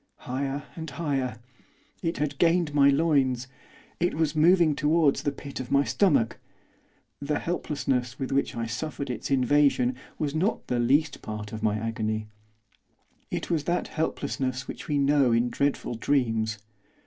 Higher and higher! It had gained my loins. It was moving towards the pit of my stomach. The helplessness with which I suffered its invasion was not the least part of my agony, it was that helplessness which we know in dreadful dreams.